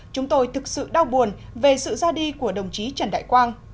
chúng tôi thực sự đau buồn về sự ra đi của đồng chí trần đại quang